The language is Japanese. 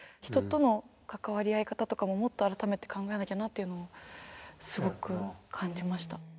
人との関わり合い方とかももっと改めて考えなきゃなっていうのをすごく感じました。